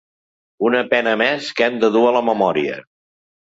Una pena més que hem de dur a la memòria.